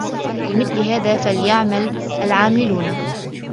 لِمِثلِ هذا فَليَعمَلِ العامِلونَ